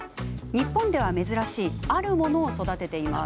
日本では珍しいあるものを育てています。